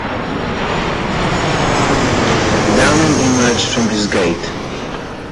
Downing emerged from his gate.